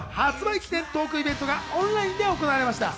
記念トークイベントがオンラインで行われました。